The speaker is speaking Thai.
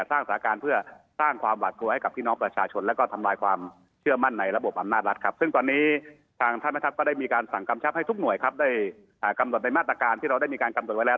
ทางท่านพระธรรมก็ได้มีการสั่งกรรมชับให้ทุกหน่วยครับได้กำหนดในมาตรการที่เราได้มีการกำหนดไว้แล้ว